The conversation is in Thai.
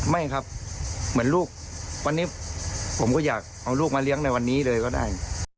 ไม่ครับเหมือนลูกวันนี้ผมก็อยากเอาลูกมาเลี้ยงในวันนี้เลยก็ได้